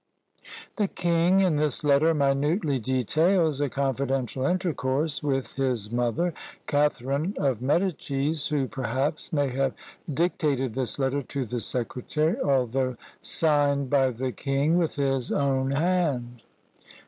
The king in this letter minutely details a confidential intercourse with his mother, Catharine of Medicis, who, perhaps, may have dictated this letter to the secretary, although signed by the king with his own hand.